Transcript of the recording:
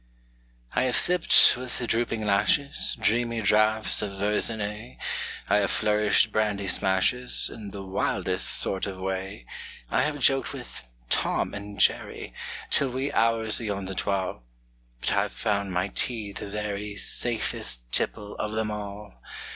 I have sipped, with drooping lashes, Dreamy draughts of Verzenay; I have flourished brandy smashes In the wildest sort of way; I have joked with "Tom and Jerry" Till wee hours ayont the twal' But I've found my tea the very Safest tipple of them all!